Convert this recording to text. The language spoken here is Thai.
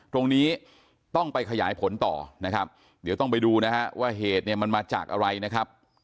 ตรงนี้ต้องไปขยายผลต่อนะครับเดี๋ยวต้องไปดูนะฮะว่าเหตุเนี่ยมันมาจากอะไรนะครับ